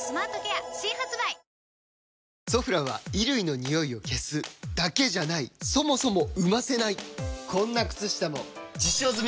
「ソフラン」は衣類のニオイを消すだけじゃないそもそも生ませないこんな靴下も実証済！